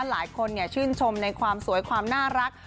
หลายคนชื่นชมในความสวยความน่ารัก